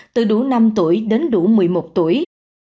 từ đủ năm tuổi đến đủ một mươi một tuổi